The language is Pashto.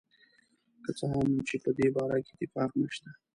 که څه هم چې په دې باره کې اتفاق نشته.